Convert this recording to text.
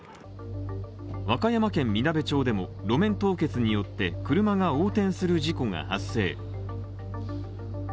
和歌山県みなべ町でも路面凍結によって車が横転する事故が発生。